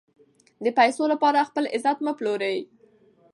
د پیسو لپاره خپل عزت مه پلورئ.